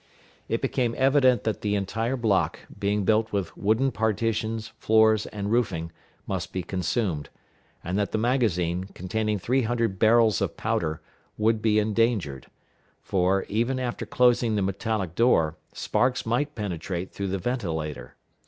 It became evident that the entire block, being built with wooden partitions, floors, and roofing, must be consumed, and that the magazine, containing three hundred barrels of powder, would be endangered; for, even after closing the metallic door, sparks might penetrate through the ventilator.